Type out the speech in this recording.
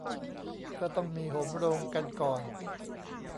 ก็ต้องมีโหมโรงกันก่อน